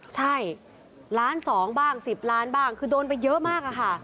ใช่๑๒ล้านบ้าง๑๐ล้านบ้างคือโดนไปเยอะมาก